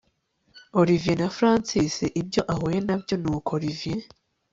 Olivier na Francis ibyo ahuye nabyo nuko Olivier